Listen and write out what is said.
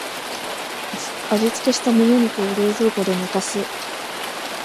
味付けしたモモ肉を冷蔵庫で寝かす